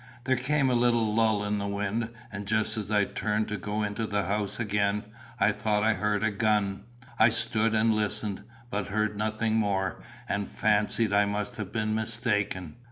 There came a little lull in the wind, and just as I turned to go into the house again, I thought I heard a gun. I stood and listened, but heard nothing more, and fancied I must have been mistaken.